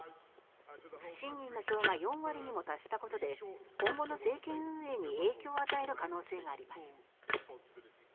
不信任の票が４割にも達したことで今後の政権運営に影響を与える可能性があります。